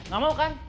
gak mau kan